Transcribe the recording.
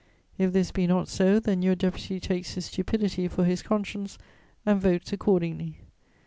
If this be not so, then your deputy takes his stupidity for his conscience and votes accordingly.